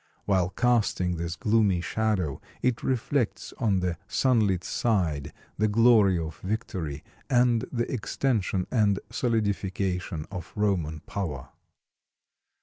While casting this gloomy shadow, it reflects on the sunlit side the glory of victory and the extension and solidification of Roman power.